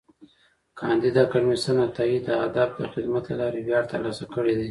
کانديد اکاډميسن عطایي د ادب د خدمت له لارې ویاړ ترلاسه کړی دی.